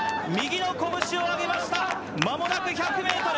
右の拳を上げました間もなく１００ｍ。